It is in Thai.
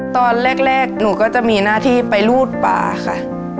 ตอนแรกหนูก็จะมีหน้าที่ไปรูดป่าค่ะ